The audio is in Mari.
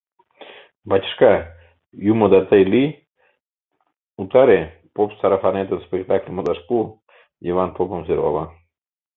— Бачышка, юмо да тый лий, утаре: поп сарафанетым спектакль модаш пу, — Йыван попым сӧрвала.